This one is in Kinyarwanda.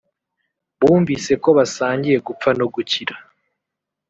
bumvise ko basangiye gupfa no gukira